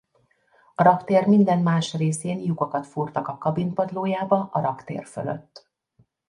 A raktér minden más részén lyukakat fúrtak a kabin padlójába a raktér fölött.